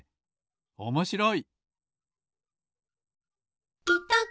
おもしろい！